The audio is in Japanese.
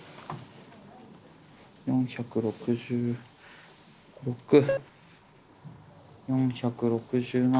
４６６４６７。